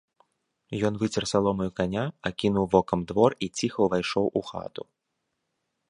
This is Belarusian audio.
Ён выцер саломаю каня, акінуў вокам двор і ціха ўвайшоў у хату.